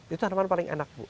itu tanaman paling enak bu